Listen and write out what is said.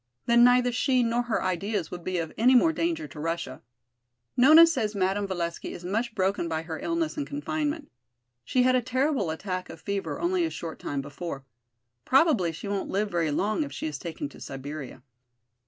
Then neither she nor her ideas would be of any more danger to Russia. Nona says Madame Valesky is much broken by her illness and confinement. She had a terrible attack of fever only a short time before. Probably she won't live very long, if she is taken to Siberia."